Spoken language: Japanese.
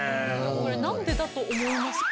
これ何でだと思いますか？